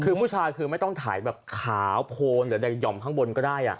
คือผู้ชายคือไม่ต้องถ่ายแบบขาวโพนหรือแต่ห่อมข้างบนก็ได้